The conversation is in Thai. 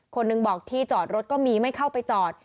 คนหนึ่งบอกที่จอดรถก็มีไม่เข้าไปจอด